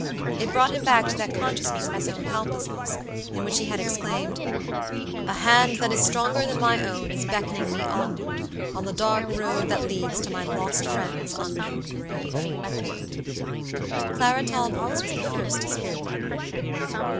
It brought him back to that consciousness of his own helplessness, in which he had exclaimed: "A hand that is stronger than my own is beckoning me onward on the dark road that leads to my lost friend's unknown grave." Clara Talboys was the first to speak.